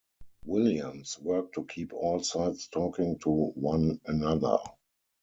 Williams worked to keep all sides talking to one another.